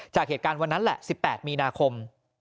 จากเหตุการณ์วันนั้นแหละ๑๘มีนาคม